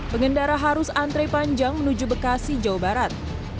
pengendara harus antre panjang menuju bekasi jawa barat